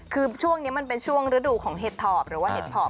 คือช่วงนี้มันเป็นช่วงฤดูของเห็ดถอบหรือว่าเห็ดถอบ